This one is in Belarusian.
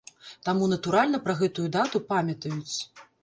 Таму натуральна пра гэтую дату памятаюць.